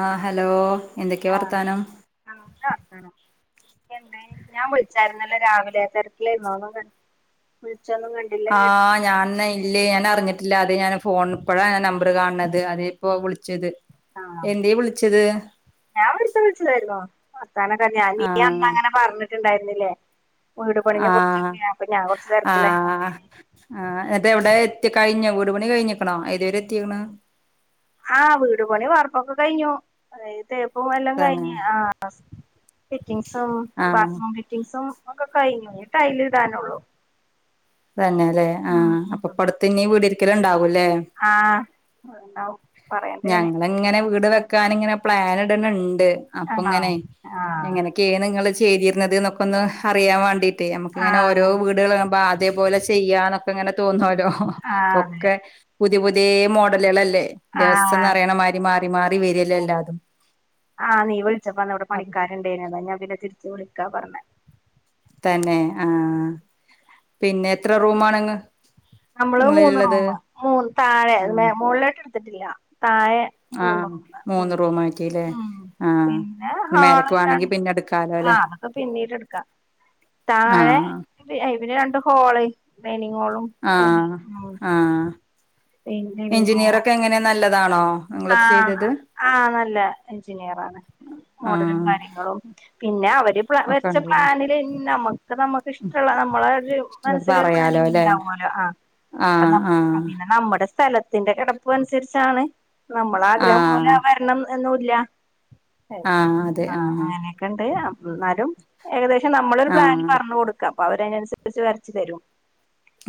ആഹ് hello എന്തൊക്കെ ആഹ് വർത്താനം നല്ല താനം ഇന്നെ ഞാൻ വിളിച്ചായിരുന്നല്ലോ രാവിലെ തിരക്കിലെ ന്നോ വിൾചെന്നുന്നെ ആഹ് ഞാൻന്ന ഇ ഇല്ലേ ഞാൻ അറിഞ്ഞിട്ടില്ല അതെ ഞാൻ ഫോണ് ഇപ്പെഴാണ് നമ്പർ കാണത് അതേ ഇപ്പോ വിളിച്ചത് ആഹ് എന്തേ വിളിച്ചത് ഞാൻ വെർതെ വിളിച്ചതായിര്ന്നു വർത്താനം തന്നെ ആഹ് അമ്മങ്ങനെ പറഞ്ഞിട്ട്ണ്ടായിര്ന്നില്ലേ വീട് പണിനെ ആഹ് കുറിച്ചൊക്കെ അപ്പൊ ഞാൻ കൊർച്ച് ആഹ് തെര്ക്കിലേഞ്ഞി [unintelligible] ആഹ് അതെവ്ടെ എത്തി കഴിഞ്ഞോ വീട് പണി കഴിഞ്ഞിക്ക്ണോ ഏതുവരെ എത്തിക്ക്ണ്. ആഹ് വീട്പണി വാർപ്പൊക്ക കയ്ഞ്ഞു അ തേപ്പും എല്ലാം തന്നെ കഴിഞ് ആഹ് ഫിറ്റിങ്സും ആഹ് ബാത് റ്റിങ്സും ഒക്കെ കയ്ഞ്ഞു ഞ്ഞി ടൈല്ടാനൊള്ളൂ തന്നെലേ ആഹ് ഉം പ്പട്ത്ത്ഞ്ഞി വീടിര്ക്കലും ണ്ടാവുംല്ലേ ആഹ് ണ്ടാവും ഞങ്ങള്ങ്ങനെ വീട് വെക്കാനിങ്ങനെ പ്ലാനിട്നിണ്ട് ആഹ് അപ്പങ്ങനയ് ആഹ് എങ്ങനെ ക്കേണ് ങ്ങള് ചെയ്തീര്ന്നത് ന്നൊക്കൊന്ന് അറിയാവാണ്ടീറ്റേയ് നമുക്കിങ്ങനെ ഓരോ ആഹ് വീടാളാണുമ്പൊ ആ അതേപോലെ ചെയ് ചെയ്യാന്നൊക്കെങ്ങനെ തോന്നല്ലോ ആഹ് അതെ പ്പൊക്കെ പുത്യെ പുത്യേ മോഡല് ളല്ലേ ആഹ് ദവസ്ംന്നറയണ മാരി മാറി മാറി വരല്ലേ എല്ലാതും അ ഏഞ്ഞിലെ അതാ ഞാൻ പിന്നെ തിരിച്ച് വിളിക്കാ പർന്നെ തന്നെ ആഹ് പിന്നെ എത്ര റൂമാണ്ങ്ങ നമ്മള് മൂന്ന് റൂമ് മൂ താഴെ ആ മേ മോളിലോട്ട്ട്ത്തിട്ടില്ല താഴെ ആ മൂന്ന് റൂമ് മൂന്ന് ഉം റൂമായിട്ടില്ലേ ഉം ആ പിന്നെ മേലക്ക് ഹാളും ര വേണെങ്കി പിന്നെ എടുക്കാലോ അല്ലെ ആഹ് അത് പിന്നീട്ട്ക്കാ താഴെ ആ അയ് പിന്നെ രണ്ട് ഹോള് ഡൈനിങ് ഹോളും പിന്നെ ആഹ് ഉം ആഹ് പിന്നെ ലിവിംഗ് റൂമും. എഞ്ചിനീയറൊക്കെങ്ങനെ നല്ലതാണോ നിങ്ങളത് ആഹ് ചെയ്തത് ആഹ് നല്ല എഞ്ചിനീയറാണ് മോഡലും ആഹ് കാര്യങ്ങളും പിന്നെ അവര് പ്ലാ ഒക്കെ വര്ച്ച ഉണ്ട്ല്ലേ പ്ലാനില് നമ്മ പ്പമ്മക്കിഷ്ടള്ള നമ്മളെ രു അത് മനസ്സിലൊരു പറയാലോ പ്ലാനിങ് ല്ലേ ണ്ടാവോലോ ആഹ് അത ആഹ് അ ആഹ് പിന്നെ നമ്മുടെ സ്ഥല തിന്റെ കെടപ്പു അൻസര്ച്ചാണ് നമ്മളാഗ്രഹം പോലെ ആഹ് വര്ണം എന്നുല്ല എ ആഹ് അതെ ആഹ് അങ്ങനൊക്കെണ്ട് ആഹ് ന്നാലും ഏകദേശം നമ്മളൊരു പ്ലാന് ആഹ് പർഞ്ഞു കൊട്- ക്ക അപ്പവരയ്നൻസര്ച്ച് വരച്ച് തരും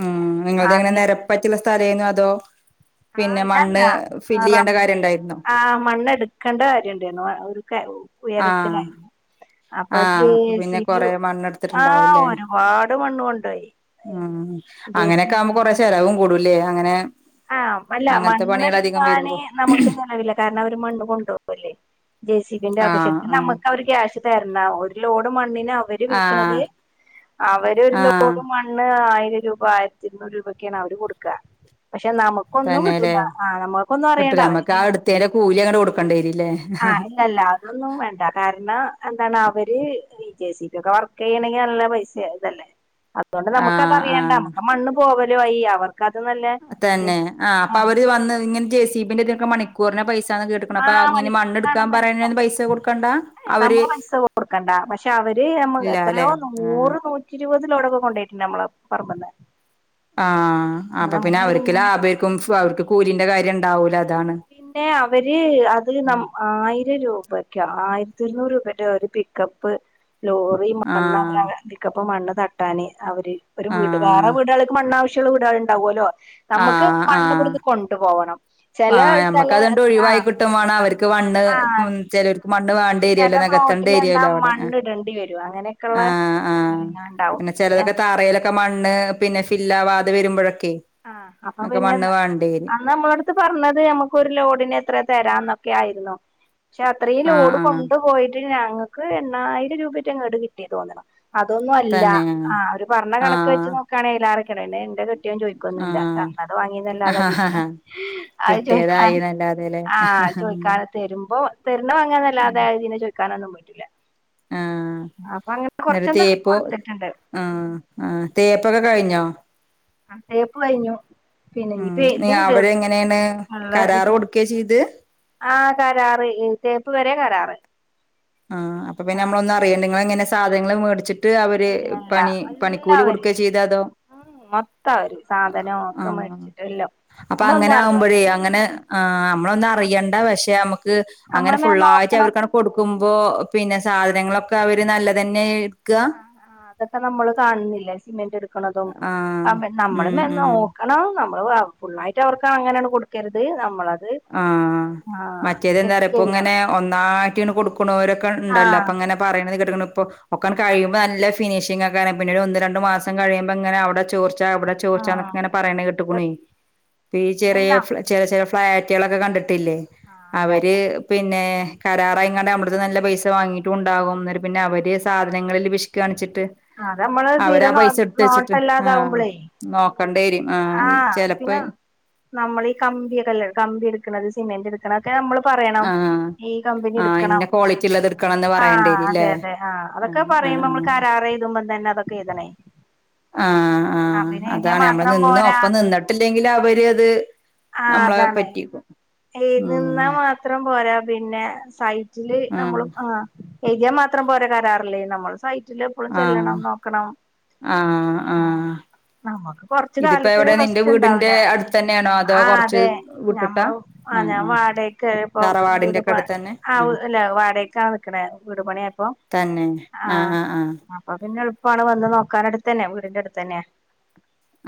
മ്മ്ഹ് നിങ്ങൾതെങ്ങനെ ആദ്യം നെരപ്പറ്റ്ള്ളെ സ്ഥലേന്നു അതോ ആ പിന്നെ മണ്ണ് ഫില്ലിയ്യണ്ടെ കാര്യണ്ടായിര്ന്നൊ ആഹ് മണ്ണെട് ക്കണ്ടെ കാര്യണ്ടായിര്ന്നു ഒരു ക ആഹ് ഉയരത്തിലായിരുന്നു അപ്പൊ ആഹ് അപ്പൊ പിന്നെ ജെസിബിം കൊറെ ആഹ് മണ്ണെടുത്തിട്ടുണ്ടാവുംല്ലേ ഒരുപാട് മണ്ണ് കൊണ്ടോയി ആഹ് ജെ സി അങ്ങനെക്കാകുമ്പോ ബി കൊറെ ചെലവും കൂടുംലേ അങ്ങനെ ആഹ് അല്ല അങ്ങനത്തെ പണികൾ അധികം മണ്ണ്ട്ക്കാന് വരുമ്പോ നമു ക്കങ്ങനറീല കാരണവര് മണ്ണ് കൊണ്ടോകല്ലേ ജെസിബി ന്റെ ആഹ് [unintelligible] ആഹ് നമുക്കവര് ക്യാഷ് തര്ണ ഒരു ലോഡ് മണ്ണിനവര് വിൽക്ക്ണത് ആഹ് അവരൊരു ആഹ് ലോഡ് മൺ ണ്ണ് ആയിരം രൂപ ആയിരത്തിര്ന്നൂറ് രൂപൊക്കേണ് അവര് കൊടുക്ക പക്ഷെ നമ കൊന്നും തന്നെല്ലേ കിട്ടൂല ആഹ് കിട്ടൂല നമ്മൾക്കൊന്നറിയണ്ട നമ്മക്ക് ആ ശെ എടുത്തേന്റെ കൂലി അങ്ങട് കൊടുക്കേണ്ടി വരൂല്ലേ ആഹ് ഇല്ലല്ല അഒന്നും വേണ്ട കാരണം എന്താണവര് ഇ ജെസിബിയൊക്കെ വർക്കെയ്യണെങ്കി നല്ല പൈസ തല്ലേ അതോണ്ട് ആഹ് നമുക്കതറിയണ്ട ആഹ് നമ്മുക്ക് മണ്ണ് പോവലായി അവർക്ക്ത് നല്ല തന്നെ ആഹ് അപ്പവര് വന്ന് ഇങ്ങനെ ജെസിബിന്റെ ഇതിനൊക്കെ മണിക്കൂറിന പൈസാന്ന് കേട്ട് ട്ടുക്കുണു പ്പ ആഹ് ഇങ്ങനെ മണ്ണ് മണിക്കൂറിനാണ് ഇട്ക്കാൻ പൈസ പറയണീന് പൈസ കൊടുക്കണ്ടാ അവര് നമ്മള് പൈസ കൊടുക്കണ്ട പക്ഷെ അവര് നമ്മ ഇല്ലാല്ലേ എത്രയോ ആഹ് നൂറ് നൂറ്റിരുപത് ലോടൊക്കെ കൊണ്ടോയിട്ടുണ്ട് നമ്മളെ പറമ്പ്ന്ന് ആഹ് അപ്പൊ പിന്നെ നമ്മക്ക് അവർക്ക് ഇങ്ങനെ ലാഭായിര്ക്കും അവർക്ക് കൂലിന്റെ കാര്യണ്ടാവൂല അതാണ് പിന്നെ അവര് അത് ന ആഹ് ആയിരം രൂപക്കാ ആയിര്ത്തിര്ന്നൂറ് രൂപന്റെ ഒരു പിക്കപ്പ് ലോ റി മണ്ണാവര് പിക്കപ്പ് മണ്ണ് തട്ടാന് അവര് ഒരു വീട് വാട ആഹ് ആ വീടാളിക്ക്‌ മണ്ണാവശ്യള്ള വീടാള് ണ്ടാവോല്ലോ നമുക്ക് ആഹ് ആഹ് മണ്ണ്വിട്ന്ന് കൊണ്ടു പോവണം ആഹ് ഞമ്മക്കതങ്ങട്ട് ഒഴിവായി കിട്ടും വാണം അവര്ക്ക് മണ്ണ് ആഹ് ഉം ചെലോര്ക്ക് മണ്ണ് വേ ണ്ടേരോലോ ചെല പ്ലോട്ടിൽ എന്താ നെകത്തെണ്ടേരോലോ മണ്ണ് ഇടേണ്ടി വരും അങ്ങനെയൊക്കെയുള്ള ആഹ് ആഹ് സ്ഥലങ്ങളുണ്ടാവും പിന്നെ ചെലെതൊക്കെ തറയി ക്ക മണ്ണ് പിന്നെ ഫില്ലാവാതെ വരുമ്പോഴൊക്കെ ആഹ് അപ്പൊ ഒക്കെ പിന്നെ മണ്ണ് വേണ്ടി വരും അന്ന് നമ്മളോട് പറഞ്ഞത് നമുക്ക് ഒരു ലോഡിന് എത്ര തരാന്നൊക്കെ ആയിരുന്നു പക്ഷെ അത്രയും ആഹ് ലോഡ് ആഹ് കൊണ്ട് പോയിട്ട് ഞങ്ങൾക്ക് എണ്ണായിരം രൂപട്ട ഇങ്ങട് കിട്ടിയത് തോന്നന്ന് അതൊന്നും അല്ല തന്നെ ആഹ് പറഞ്ഞ കണക്ക് ആഹ് വെച്ച് നോക്കാണെങ്കൽല്ലക്കെിടെ എന്റെ കെട്ടഽൻ ത് വാങ്ങിന്നല്ലാത ആഹ് പിന്നെ ആഹ് അത് ചോയ്ക്ക കിട്ടിയതായിന്നല്ലാതെല്ലേ ആഹ് ചോയ്ക്ക തരുമ്പോ തരണ വാങ്ങാന്നല്ലാതെ ഇതിനെ ചോയ്ക്കാനൊന്നും പോയിട്ടില്ല ആഹ് അപ്പൊ അങ്ങനെ എന്നിട്ട് കൊറച്ചന്തൊക്കെ തേപ്പ് കൊടുത്തിട്ടുണ്ട് ആഹ് ആഹ് തേപ്പൊക്കെ കഴിഞ്ഞോ ആഹ് തേപ്പ് കഴിഞ്ഞു പിന്നെ ഉം ഇനിപ്പ നീ ഇതുണ്ട് അവരെങ്ങനെയാണ് വെള്ള കരാറ് അടിക്ക കൊടുക്കയാ ചെയ്ത് ആഹ് കരാറ് തേപ്പ് വരെ കരാറ് ആഹ് അപ്പ പിന്നെ ആഹ് നമ്മളന്ന് അറിയേണ്ട ഇങളെങ്ങങ്ങനെ സാധങ്ങൾ മേടിച്ചട്ട് ഇട്ട് അവര് ഇല്ല ഇല്ല പണി പണിക്കൂലി എല്ലാവരും കൊടുക്കുകയ ചെയ്ത അതോ ഉം മൊത്തം അവര് സാധനമ ഒക്കെ ആഹ് മേടിച്ചിട്ടല്ലോ അപ്പൊ നമ്മളൊന്നും അങ്ങനെ അറിയണ്ട ആകുമ്പോഴേ അങ്ങനെ ആഹ് നമ്മളൊന്നും അറിയണ്ട പക്ഷെ നമുക്ക് അങ്ങനെ നമ്മള് മേ ഫുള്ളായിട്ട് നോക്കണം അവർക്ക് ക്കുമ്പോ പിന്നെ സാധനങ്ങളൊക്കെ അവര് നല്ലതന്നെ എടുക്ക ആഹ് അതൊക്കെ നമ്മള് കാണുന്നില്ലേ സിമെന്റ് എടുക്കണ്തും ആഹ് നമ്മളും ഉം ഉം കണം നമ്മള് ഫുള്ളായിട്ട് അവർക്ക് അങ്ങനെ കൊടുക്കരുത് നമ്മള ആഹ് മറ്റേത് എന്താ പറയാ ഇപ്പൊ ചെയ്യണം ഇങ്ങനെ ഒന്നായിട്ട് കൊടുക്കണോരൊക്കെ ഉണ്ടല്ലോ ആഹ് അപ്പ ഇങ്ങനെ പറയുന്നത് കേട്ട്ക്കുന്നു ഇപ്പോൾ ഒക്കൻ കഴിയ്മ്പോ നല്ല ഫിനിഷിംഗ ആക്കണം പിന്നെ ഒരു ഒന്ന് രണ്ടു മാസം കഴിയുമ്പോ അങ്ങനെ അവിടെ ചോർച്ച ഇവിടെ ആഹ് ചോർച്ചൊക്കെങ്ങെ പറയണ് കെട്ടക്കണേ ചെറിയ പിന്നെന്താ ചെ ചെ ഫ്ലാറ്റ് കുട്ടികളൊക്കെ കണ്ടിട്ടില്ലേ ആഹ് അതെ അതെ അവര് പിന്നെ കരാറായിങ്ങാണ്ട് അവിടത്തെ നല്ല പൈസ വാങ്ങിയിട്ടും ഉണ്ടാകും പിന്നെ അവര് സാധനങ്ങളിൽ പിശു കാണിച്ചിട്ട് അത് നമ്മള് അവരാ തീരെ നോ പൈസ എടുത്ത വച്ചിട്ട് ആഹ് നോട്ടല്ലാതാവുമ്പളേ നോക്കണ്ടി വരും ആഹ് ചിലപ്പോ നമ്മള ഈ കമ്പിയ കമ്പി എടുക്കണുന്നത് സിമെന്റ് എടു ക്കെ നമ്മള് പറയണം ആഹ് ഈ കമ്പനി ആഹ് എടുക്കണം ഇന്ന ക്വാളിറ്റി ഉള്ളത് എടുക്കണംന്ന് ആഹ് പറയേണ്ടിരില്ലേ അതെ അതെ ആഹ് അതൊക്കെ പറയുമ്പോ നമ്മൾ കരാർ എഴുതുമ്പാ തന്നെ അതൊക്കെ എഴുതണേ ആഹ് ആഹ് പിന്നെ എഴുതിയാ അതാണ് നമ്മള് മാത്രം നിന്ന് പോരാ ഒപ്പം നിന്നിട്ടില്ലെങ്കിൽ അവര് അത് ആഹ് നമ്മളെ അതാണ് പറ്റിക്കും [unintelligible] ഉം നിന്നാ മാത്രം പോരാ പിന്നെ സൈറ്റില് നമ്മള ആഹ് എഴുതിയ മാത്രം പോര കരാറില് നമ്മൾ സൈറ്റി എപ്പോഴും ആഹ് ചെല്ലണം നോക്കണം ആഹ് നമുക്ക് കൊറച്ച് ഇതിപ്പോ കാലത്തിന് എവിടെ നിന്റെ റസ്റ്റ് വീടിന്റെ ഉണ്ടാവില്ല അടുത്ത് തന്നെയാണോ അതോ ആ കൊറച്ച് അതെ വിട്ടിട്ടാ ഞമ്മള് ആഹ് ഞാൻ വാട ഇപ്പ തറവാടിന്റെ വീട് പ ഒക്കെ അടുത്ത് തന്നെ ആഹ് അല്ല വാടകക്കാണ് നിക്കണേ വീട് പണിയ അപ്പൊ തന്നെ ആഹ് ആഹ് ആഹ് അപ്പൊ പിന്നെ എളുപ്പമാണ് വന്ന് നോക്കാൻ അടുത്ത് തന്നെ വീടിന്റെറ അടുത്ത് തന്നെ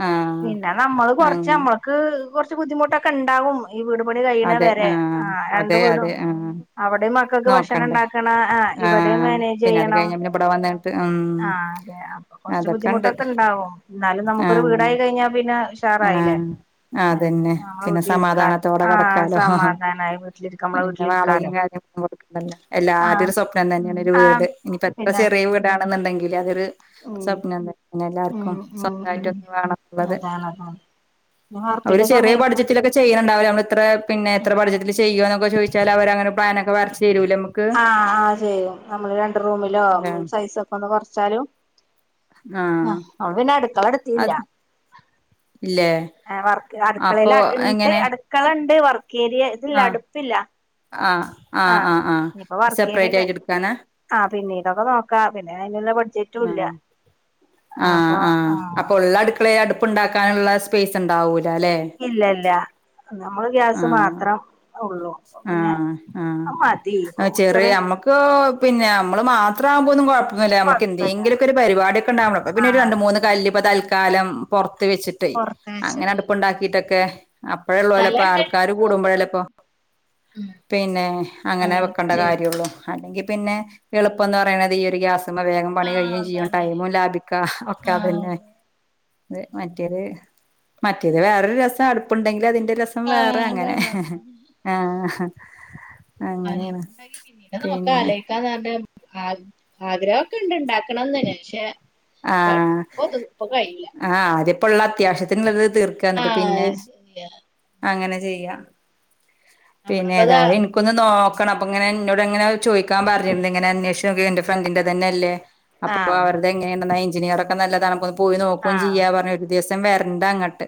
ആഹ് പിന്നെ നമ്മള് കൊറച്ച് അങ്ങനെ നമ്മൾക്ക് കുറച്ച് ബുദ്ധിമുട്ടൊക്കെ ഉണ്ടാവും ഈ വീട് പണി കഴിയണ അതെ വരെ ആഹ് ആ രണ്ട് അതെ വീടും അതെ ആഹ് അവിടെയും മ ഭക്ഷണം നോക്കണ്ടേ ഉണ്ടാക്കണം ആ ഇവിടെ ആഹ് മാനേജ് പിന്നെ അത് ചെയ്യണം കഴിഞ്ഞ പിന്നെ ഇവിടെ വന്നിട്ട് ഉം ആഹ് അതെ കുറച്ച് അതൊക്കെണ്ട് ബുദ്ദിമുട്ടൊക്കെ ഉണ്ടാവും എന്നാലും നമുക്ക് ഒരു ആഹ് വീടായി കഴിഞ്ഞാൽ പിന്നെ ഉഷാറായില്ലേ ആഹ് അതന്നെ നമ്മള് പിന്നെ വീട്ടിലിനിക്കാൻ സമാധാനത്തോടെ അഹ് കടക്കാലോ സമാ നായി വീട്ടിലിരിക്ക നമ്മളെ വീട്ടിലിരിക്കാലോ ല്ല ആഹ് എല്ലാവരു സ്വപ്നം തന്നെയാണ് ഒരു വീട് ആഹ് ഇനിയിപ്പോ എത്ര പിന്നെ ചെറിയ വീടാണെന്നുണ്ടെങ്കിൽ അതൊരു ഉം സ്വപ്നം തന്നെ എല്ലാർക്കും ഉം ഉം സ്വന്തമായിട്ട ഒന്ന് ഉം വേണമെന്നുള്ളത് അതാണ് അതാണ് പിന്നെ അവര് വാർപ്പിന്റെ ചെറിയ സമയത്തും ബഡ്ജറ്റിലൊക്കെ ചെയ്യണ്ടാവില്ല നമ്മ ഇത്ര പിന്നെ ഇത്ര പഠചത്തിൽ ചെയ്യോ എന്നക്കെ ചോദിച്ചാൽ അവരങ്ങനെ പ്ലാനൊക്കെ വരച്ച് തരൂലേ നമുക്ക് ആഹ് ആഹ് ചെയ്യും നമ്മള് രണ്ട് റൂമിലോ സൈസക് അപ്പൊന്ന് കൊറച്ചാലും ആഹ് അവ പിന്നെ അടുക്കള എടുത്തിയില്ല ഇല്ലെ? ആ വർക്ക് അടുക്കളൽ ഇണ്ട് അടുക്കളണ്ട് വർക്ക്ഏരിയ ഇതില്ല അടുപ്പില്ല അഹ് അഹ് ആഹ് ആഹ് സെപ്പറേറ്റ് ആയിട്ട് എടുക്കാനാ? ആ പിനീടൊക്കെ നോക്കാ പിന്നെ അന്ള്ള ബട് അഹ് അഹ് ആഹ് അപ്പൊ ഉള്ളടു ക്കളെ അടുപ്പുണ്ടാക്കാനുള്ള സ്പേസ് ഉണ്ടാവൂലല്ലേ ഇല്ല ഇല്ല നമ്മൾ ഗ്യാസ് ആഹ് മാത്രം ഉള്ളൂ അപ്പൊ പിന്നെ ആഹ് ആഹ് അത് മതി ആ ഇപ്പൊ ചെറിയ അമ്മ തോ പിന്നെ അമ്മള് മാത്രംമാകുമ്പോന്ന് അല്ല നമുക്ക് കൊഴപ്പല്ല എന്തെങ്കിലുക്കെ ഒരു പരിപാടിക്കെ ഉണ്ടാവണം പിന്നെ ഒരു ആഹ് രണ്ട് മൂന്ന് കല്പ്പ തൽക്കാലം പുറത്ത് വച്ചട്ട് ട്ട് പൊറത്ത് അങ്ങനെ വെച്ചിട്ട് അടുപ്ണ്ടാക്കിട്ടൊക്കെ അപ്പഴ ഉള്ളല ഇപ്പൊ സ്ഥലണ്ട് ആൾക്കാര് അതോണ്ട് കൂടുമ്പോഴേല്ല ഇപ്പൊ കൊഴപ്പല്ല ഉം പിന്നെ അങ്ങനെ വെക്കേണ്ട കാര്യള്ളു അല്ലെങ്കിൽ പിന്നെ എളുപ്പംന്ന് പറയണത് ഈ ഒരു ഗ്യാസ് വേഗം പണി ആഹ് കഴിയും ചെയ്യും അതാണ് ടൈമും ലാഭിക്കാ ഒക്കെ ആഹ് അതന്നെ ത് മറ്റേ മറ്റേത് വേറൊരു രസം അടുപ്പുണ്ടെങ്കിൽ അതിന്റെ രസ ആഹ് വേറെ അങ്ങനെ അതാണ് അതാണ് അഹ് അഹ് അത ഇപ്പ ഉണ്ടാക്കി പിന്നീട് നോക്കാ അല്ലേ കാന്ന്ണ്ട് ആഗ്രഹൊക്കെണ്ട് ഇണ്ടാക്കണംന്ന് തന്നെ പക്ഷെ അഹ് ഇപ്പൊ ഇത് ഇപ്പൊ കഴിയില്ല അഹ് അതിപ്പോ ഉള്ള അത്യാവശ്യത്തിനുള്ളത് തീർക് ക ന്നിട്ട് ആഹ് പിന്നെ അത് ശരിയാ അങ്ങനെ ചെയ്യാ നമ്മളിപ്പതാ പിന്നെതായ ക്ക്‌ ഒന്ന് നോക്കണ അപ്പൊ ഇങ്ങനെ ഇന്നോട് ഇങ്ങനെ ചോദിക്കാ പറഞ്ഞിരുന്നു ഇങ്ങനെ അന്വേഷി എന്റെ ഫ്രണ്ടിന്റെ തന്നെ അല്ലേ അപ്പോപോ ആഹ് അവരുടെ എങ്ങനെയണ്ട എചിനീയറൊക്കെ നല്ലതാണ പോയി നോക്കും ആഹ് ചെയ്യാ പറഞ്ഞു ഒരു ദിവസം വരണ്ട അങ്ങോട്ട്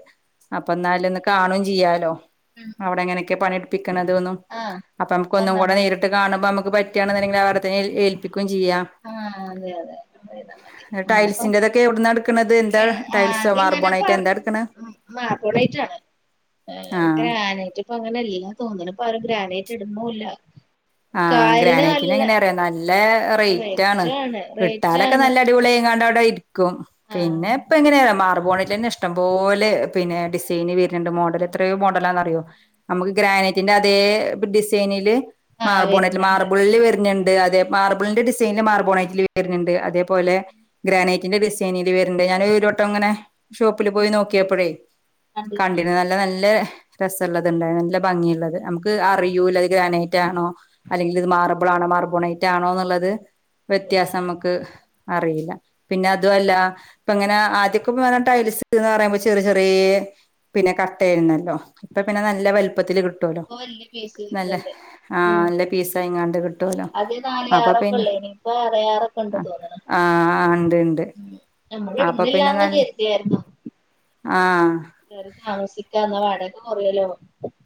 അപ്പ എന്നാല ഒന്ന് കാണും ചെയ്യാലോ ഉം അവിടെ എങ്ങനെയൊക്കെ പണിടുപ്പിക്കണത ഒന്നും ആഹ് അപ്പൊ അമുക്ക് ഒന്നും വന്നാ കൂടെ മതി നേരിട്ട് ട്ട് കാണുമ്പോ അമക്ക് പറ്റാണെന്നെങ്കിൽ അവടെ തന്നെ ഏൽപ്പിക്കും ചെയ്യാം ആഹ് അതെ അതെ [inaudible] നമ്മളിപ്പോ ടൈൽസിൻറേതൊക്കെ എവിടന്ന എടുക്ണുന്നത് എന്താ ടയൽസോ മാർബോണഐറ്റോ എന്താ എടുക്ണ്? മാർക്കോടായിട്ടാണ് ആഹ് ഗ്രാനറ്റ് പ്പൊ അങ്ങനെ എല്ലാം തോന്നണപ്പൊ ആരും ഗ്രാനേറ്റ് ഇടുണുല്ല ആഹ് ഗ്രാനേറ്റിനങ്ങനെ അറിയൊ നല്ല റേറ്റ് ആണ് വിട്ടാലൊക്കെ നല്ല അടിപൊളിയാണ്ട് അവിടെ ഇരിക്കും ആഹ് പിന്നെപ്പൊ എങ്ങനെയർ മാർ പോണറ്റ് ഇഷ്ടംപോലെ പിന്നെ നല്ല ഡിസൈന് വരുന്ണ്ട് മോഡൽ എത്രയോ മോഡൽ പ്ല്ലന്നറിയോ അമുക്ക് ഗ്രാനൈറ്റിന്റെ അതേ ഡിസൈനില് ആഹ് മാർബോണ്റ്റ് വരുന്നുണ്ട് മാർബിളില് വെര്ന്നുണ്ട് അതെ മാർബിളിന്റെ ഡിസൈനിൽ മാർബോണ്യ്റ്റ്ല് വെരുന്ണ്ട് അതേപോലെ ഗ്രാനൈറ്റിന്റെ ഡിസൈനിൽ വരുണ്ട് ഞാന് രോട്ടംങ്ങനെ ഷോപ്പില് പോയി നോക്കിയപ്പോഴേ കണ്ടിരുന്നു കണ്ട്ന് നല്ല നല്ല രസള്ളത്ണ്ടായിരുന്നു നല്ല ഭംഗിയ്ള്ളത് നമുക്ക് അറിയൂല അത് ഗ്രാനൈ റ്റആണോ അല്ലെങ്കിൽ ഇത് മാർബിൾ ആണോ മാർബോണൈറ്റ് ആണോന്നുള്ളത് വ്യത്യാസം അമ്മ്ക്ക് അറിയില്ല പിന്നെ അതു അല്ല ഇപ്പ ഇങ്ങനെ ആദ്യൊക്കെ ടൈലസ് എന്ന് പറയുമ്പോ ചെറിയ ചെറിയേ പിന്നെ കട്ടയായിര്ന്നല്ലോ ഇപ്പൊ പിന്നെ നല്ല വലുപ്പത്തില് കിട്ടുവല്ലോ ഇപ്പൊ വല്യ പീസ് നല്ല വരുന്നുണ്ട് ആഹ് ഉം നല്ല പിസയിങ്ങാണ്ട് കിട്ടുവലോ ആദ്യം നാല് അപ്പൊ ആറൊക്കെ പിന്നെ ഉള്ളേനി ഇപ്പൊ ആറേ ആറൊക്കെ ഉണ്ട് ആഹ് തോന്നണ് ആഹ് ണ്ട് ണ്ട് ഉം നമ്മള് അപ്പൊ പിന്നെ ഇടുന്നില്ലാന്ന് നല്ല കരുതിയായിരുന്നു ആഹ് കേറി താമസിക്കാ എന്നാ വാടക കുറയലോ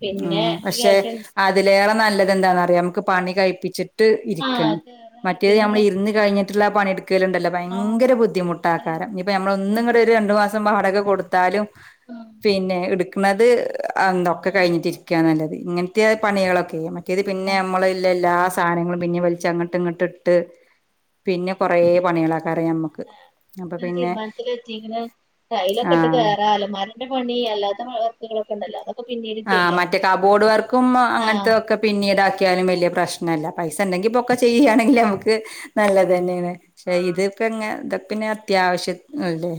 പിന്നെ ആഹ് പക്ഷെ കേഷ അതിലേറെ നല്ലത് എന്താന്നന്ന്റിയാം നമുക്ക് പണി കഴപ്പിച്ചിട്ട് ട്ട് ഇരിക്കൻ ആഹ് കേറാണ് മറ്റേത് പിന്നെ നമ്മൾ ഇരുന്ന് കഴിഞ്ഞിട്ടുള്ള പണിയെടുക്കലുണ്ടല്ലോ ആഹ് ഭയങ്കര ബുദ്ധിമുട്ട് ട്ടാകാരം ഇപ്പൊ നമ്മള് ഒന്ന് ഇങ്ങട്ട് ഒരു രണ്ടു മാസം വാടക കൊടുത്താലും പിന്നെ എ കുന്നത് അന്തൊക്കെ ആഹ് കഴിഞ്ഞിട്ടിരിക്കുക നല്ലത് ഇങ്ങനത്തെ പണികളൊക്കെ മറ്റേ ത് പിന്നെ ആഹ് നമ്മളല്ല എല്ലാ സാധനങ്ങളും പിന്നെ വലിച് അങ്ങട്ട് ഇങ്ങോട്ട് ഇട്ട് പിന്നെ കൊറെ പണികലേക്കാരം നമ്മക്ക്. ഞാൻ തീരുമാനത്തില എത്തിങ്ങ ടൈലൊക്കെ ഇട്ട് ആഹ് കയറാ ആലമാര ന്റെ പണി അല്ലാത്ത വർക്കുകളൊക്കെണ്ടല്ല. ആഹ് മറ്റേ കാബോർഡ് വർക്കും ആഹ് അങ്ങനതൊക്കെ. പിന്നീടാക്കിയാലും വലിയ പ്രശ്നല്ല പൈസ ഉണ്ടെങ്കി ഇപ്പൊക്കെ ചെയ്യുകയാണെങ്കിൽ നമുക്ക് നല്ലത് തന്നെയാണ് പക്ഷേ ആഹ് ഇത്പ്പോ എ ഇതൊ പിന്നെ അത്യാവശ്യ അല്ലേ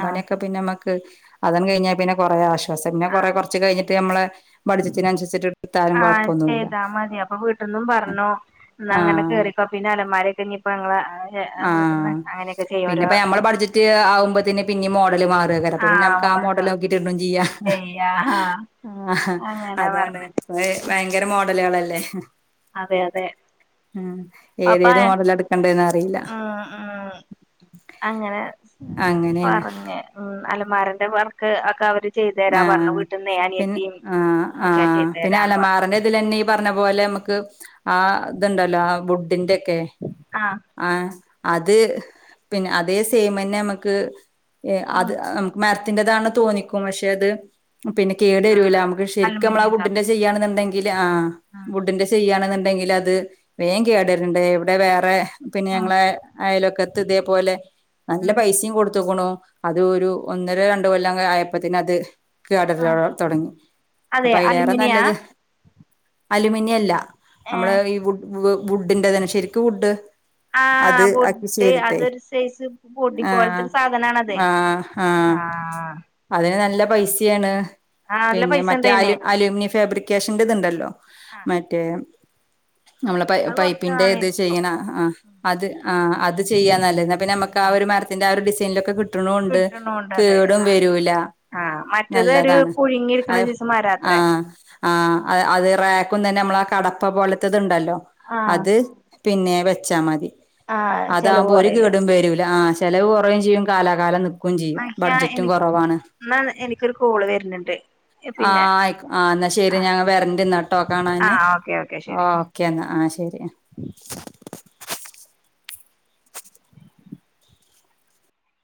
ആഹ് പിന്നെ നമ്മക്ക് അതം കഴിഞ്ഞാൽ പിന്നെ കൊറേ ആശ്വാസം പിന്നെ കൊറെ ആഹ് കോറച് കഴിഞ്ഞ് ട്ട്നമ്മളെ ആഹ് ചെയ്താ മതി അപ്പൊ വീട്ടന്നും പറഞ്ഞോ എന്ന അങ്ങനെ ആഹ് കേറിക്കൊ പിന്നെ അലന്മാരൊക്കെ ഇ ഇപ്പ ങ്ങ വീട്ടന്ന് അങ്ങനെയൊക്കെ ചെയ്യോ ഓരോ ആവുമ്പന്നെ പിന്നെ മോഡൽ മാ പ്പ പിന്നെ ആഹ് നമുക്ക് ആ മോഡൽ മോഡല് നോക്കിട്ടും ചെയ്യാം ചെയ്യാ ആ അങ്ങനെ അതാണ് പറഞ്ഞ് ഇജ്ജ് ഭയങ്കര മോഡലുകളല്ലേ. അതെ അതെ ഉം ഏതേത് പപ്പായ മോഡൽ എടുക്കണ്ടന്ന് അറിയില്ല ഉം ഉം അങ്ങനെ അങ്ങനെയാണ് പറഞ്ഞ് ഉം അലമാരന്റെ വർക്ക് ഒക്കെ അവര് ചെയ്തു തരാ ആഹ് പറഞ്ഞു അഹ് വീട്ടിൽന്നേ പിന്ന അനിയത്തിയും ആ ഒക്കെ ഹ്ആഹ് ചെയ്തു പിന്നെ തരാന്ന് പറഞ്ഞു അലമാറിൻന്റെ ഇതിൽന്നെ. പറഞ്ഞ പോലെ നമക്ക് ആ ഇതുണ്ടല്ലോ ആ വുഡിന്റെ ഒക്കെ ആഹ് ആഹ് അത് പിന്നെ അതേ സേമന്നെ നമുക്ക് അത് മരത്തിന്റെതാണ് തോന്നിക്കും പക്ഷെ അത് പിന്നെ കേടു വരുല ആഹ് നമുക്ക് ശരിക്കും നമ്മള അലുമിനിയം ആഉഡിന്റെ ഫാബ്രിക്കേഷൻ ചെയ്യയാണെന്നുണ്ടെങ്കിൽ ആഹ് വുഡിന്റെ ചെയ്യണ്ന്ന്ണ്ടെങ്കിൽ അത് വേഗം കേടരുന്ണ്ട് ഇവിടെ വേറെ പിന്നെ ആഹ് ഞങ്ങള ആയാലൊക്കെത് ഇതേപോലെ നല്ല ഉം പൈസിം കൊടു തിക്ക്ണ് അത് ഒരു ഒന്നര രണ്ട് കൊല്ലം അങ്ങനെ ആയപ്പത്തിന് അത്. ആഹ് കെടാറാണ് തൊടങ്ങി അതെ അപ്പൊ അതിലേറെ അലുമിനിയാ നല്ലത് അലൂമിനിയ അല്ല. നമ്മള് ഏഹ് ഈ വു വുഡിന്റെ തന്നെ ശരിക് വുഡ്. അത് ആഹ് ആക്കി വൂഡ് ചെയ്തിട്ടേ അതൊരു സൈസ് പൊടി ആഹ് പോലത്തെരു സാധനണത് ആഹ് അതിന് നല്ല പൈസയാണ് ആഹ് നല്ല പിന്നെ പൈസ മറ്റെ ഉണ്ട് അയിന് അലു അലൂമിനിയം ഫാബ്രിക്കേഷന്റെ ഇതുണ്ടല്ലോ. ആഹ് മറ്റേ നമ്മളെ പ അത് കൊറച്ച് പൈപ്പിന്റെ നാള് ഇത് ഇരിക്കും ചെയ്യണ ആഹ് അത് ആഹ് അത് ചെയ്യാ നല്ല ഇന്ന നമുക്ക് ആ ആഹ് ഒരു മരത്തിന്റെ ആ ഒരു ഡിസൈനിലൊക്കെ കിട്ട കിട്ടുണുണ്ട് കിട്ടണുണ്ടത് കേടും ആഹ് വരൂല. ആഹ് മറ്റേത് ഒരു പുഴുങ്ങി എടുക്കുന്ന സെയ്‌സ് മാരാണത്രെ. ആഹ് ആഹ് അത് റാക്കും തന്നെ നമ്മള കടപ്പ പോലത്തത്ണ്ടല്ലോ ആഹ് അത്. പിന്നെ വെച്ചാ മതി ആഹ് ചെലവ് അതാകുമ്പോ ഒരു പറയല് കേടും വരുല ആഹ് ചെലവ് കോറയും ചെയ്യും കാലാകാലം നി മയ്യ എന്ന എനിക്കൊരു കോള് വരുന്നുണ്ട്. ആഹ് പിന്നെ ആയി ആഹ് എന്നാ ശെരി ആഹ് ഞാ വരണ്ടിട്ടോ കാണാന് ആഹ് ഓക്കെ ഓക്കെ ഓ ശരി ഓക്ക എന്നാ ആഹ് ശരി.